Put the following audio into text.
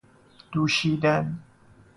دوشیدن